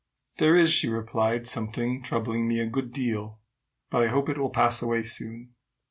"There is," she replied, "something troubling me a good deal; but I hope it will pass away soon."